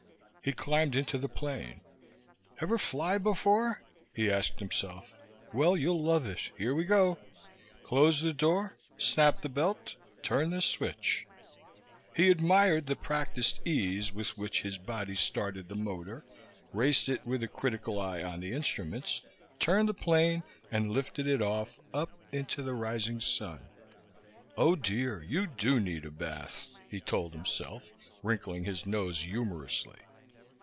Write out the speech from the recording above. He climbed into the plane. "Ever fly before?" he asked himself. "Well, you'll love it. Here we go. Close the door ... snap the belt ... turn the switch." He admired the practiced ease with which his body started the motor, raced it with a critical eye on the instruments, turned the plane and lifted it off, up, into the rising sun. "Oh, dear. You do need a bath," he told himself, wrinkling his nose humorously.